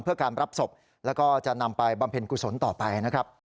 เพื่อการรับศพแล้วก็จะนำไปบำเพ็ญกุศลต่อไปนะครับ